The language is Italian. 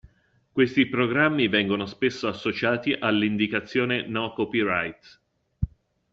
Questi programmi vengono spesso associati all'indicazione no-copyright.